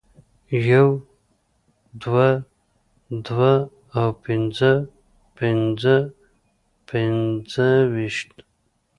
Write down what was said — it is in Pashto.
يو دوه دوه او پنځه پنځه پنځویشت